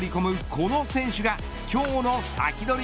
この選手が今日のサキドリ！